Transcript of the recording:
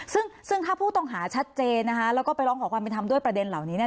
ซึ่งซึ่งถ้าผู้ต้องหาชัดเจนนะคะแล้วก็ไปร้องขอความเป็นธรรมด้วยประเด็นเหล่านี้เนี่ย